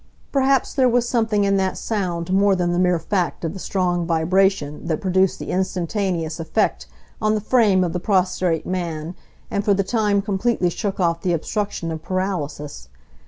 Perhaps there was something in that sound more than the mere fact of the strong vibration that produced the instantaneous effect on the frame of the prostrate man, and for the time completely shook off the obstruction of paralysis.